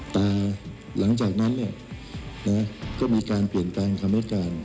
แต่หลังจากนั้นก็มีการเปลี่ยนแปลงคำให้การ